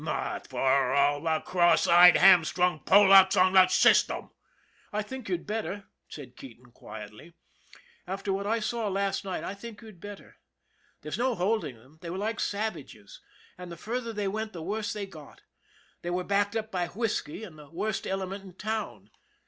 Not for all the cross eyed, ham strung Polacks on the system !"" I think you'd better," said Keating quietly. "After what I saw last night, I think you'd better. There was no holding them they were like savages, and the further they went the worse they got. They were backed up by whisky and the worst element in town.